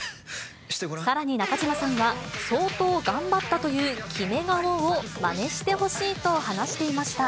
さらに中島さんは、相当頑張ったというキメ顔をまねしてほしいと話していました。